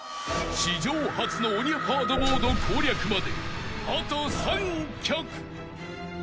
［史上初の鬼ハードモード攻略まであと３曲］